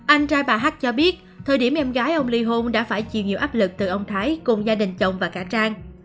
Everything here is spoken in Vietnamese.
anh trai bà hắt cho biết thời điểm em gái ông ly hôn đã phải chịu nhiều áp lực từ ông thái cùng gia đình chồng và cả trang